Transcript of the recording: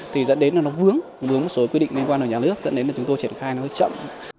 thì dẫn đến là nó vướng vướng một số quy định liên quan ở nhà nước dẫn đến là chúng tôi triển khai nó hơi chậm